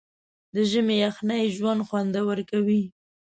د ژمي یخنۍ ژوند خوندور کوي.